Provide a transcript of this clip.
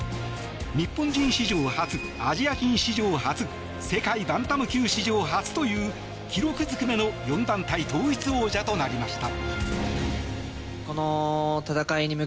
日本人史上初、アジア人史上初世界バンタム級史上初という記録ずくめの４団体統一王者となりました。